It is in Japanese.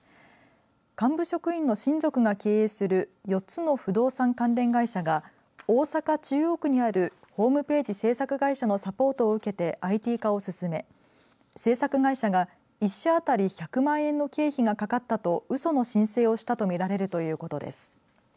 幹部職員の親族が経営する４つの不動産関連会社が大阪、中央区にあるホームページ制作会社のサポートを受けてＩＴ化を進め制作会社が１社当たり１００万円の経費がかかったとうその申請をしたとみられるということです。